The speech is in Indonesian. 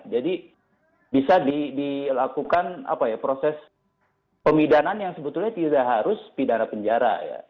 jadi bisa dilakukan proses pemidanan yang sebetulnya tidak harus pidana penjara ya